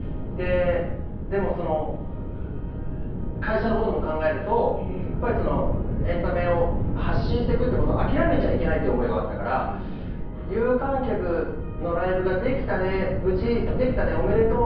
でも会社のことも考えるとやっぱりエンタメを発信していくということを諦めちゃいけないって思いがあったから有観客のライブができたね無事できたね、おめでとう。